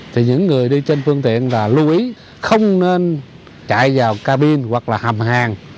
thì những người đi trên phương tiện là lưu ý không nên chạy vào cabin hoặc là hầm hàng